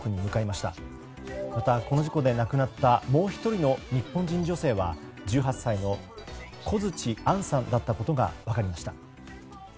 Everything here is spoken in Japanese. また、この事故で亡くなったもう１人の日本人女性は１８歳の小槌杏さんだったことが分かりました。